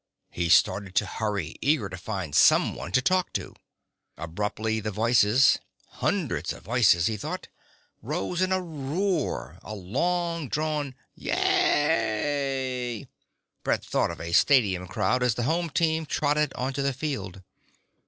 He started to hurry, eager to find someone to talk to. Abruptly the voices hundreds of voices, he thought rose in a roar, a long drawn Yaaayyyyy...! Brett thought of a stadium crowd as the home team trotted onto the field.